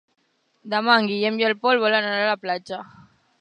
Demà en Guillem i en Pol volen anar a la platja.